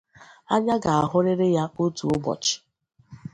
anya ga-ahụrịrị ya otu ụbọchị